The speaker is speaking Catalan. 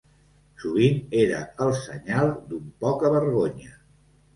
Sovint era el senyal d'un poca vergonya.